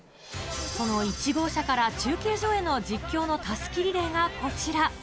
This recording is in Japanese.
その１号車から中継所への実況のたすきリレーがこちら。